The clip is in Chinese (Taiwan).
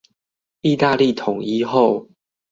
義大利統一後